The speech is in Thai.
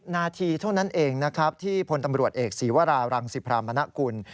นาทีเท่านั้นเองนะครับที่พลตำรวจเอกศีวรารังสิพรามณกุล